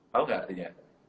tahu gak artinya